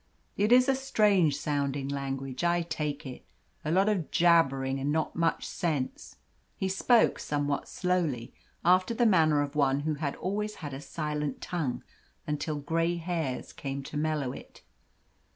It is a strange sounding language, I take it a lot of jabbering and not much sense." He spoke somewhat slowly, after the manner of one who had always had a silent tongue until grey hairs came to mellow it.